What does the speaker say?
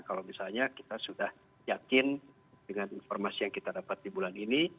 kalau misalnya kita sudah yakin dengan informasi yang kita dapat di bulan ini